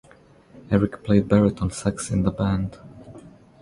Eric played baritone sax in the band.